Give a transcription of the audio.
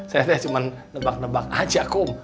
saya cuma nebak nebak aja kok